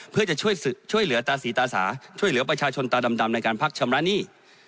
เพื่อจะช่วยเหลือตาสีตาสาช่วยเหลือประชาชนตาดำในการพักชำระหนี้